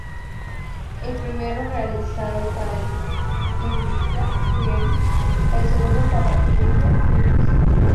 El primero realizado para Invicta Film, el segundo para Iberia Filmes.